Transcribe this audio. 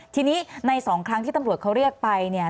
ทีนี้ใน๒ครั้งที่ตำรวจเขาเรียกไปเนี่ย